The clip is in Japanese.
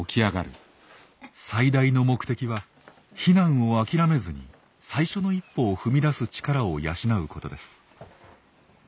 最大の目的は避難を諦めずに最初の一歩を踏み出す力を養うことです。